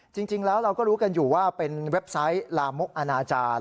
จริงแล้วเราก็รู้กันอยู่ว่าเป็นเว็บไซต์ลามกอนาจารย์